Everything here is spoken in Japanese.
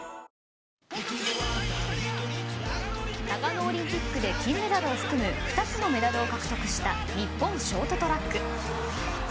長野オリンピックで金メダルを含む２つのメダルを獲得した日本ショートトラック。